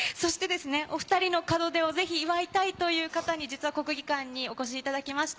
お２人の門出をぜひ祝いたいという方に国技館にお越しいただきました。